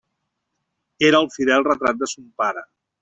Era el fidel retrat de son pare.